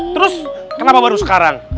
terus kenapa baru sekarang